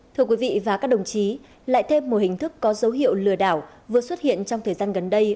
thưa quý vị và các đồng chí lại thêm một hình thức có dấu hiệu lừa đảo vừa xuất hiện trong thời gian gần đây